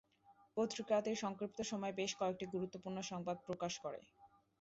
পত্রিকাটির সংক্ষিপ্ত সময়ে বেশ কয়েকটি গুরুত্বপূর্ণ সংবাদ প্রকাশ করে।